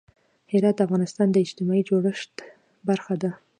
هرات د افغانستان د اجتماعي جوړښت برخه ده.